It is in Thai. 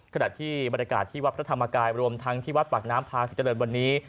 ขณะที่บรรยากาศที่วัดพระธรรมกายรวมทั้งที่วัดปากน้ำพาศรีเจริญวันนี้